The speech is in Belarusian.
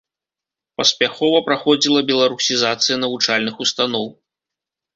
Паспяхова праходзіла беларусізацыя навучальных устаноў.